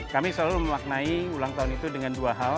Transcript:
kami selalu memaknai ulang tahun itu dengan dua hal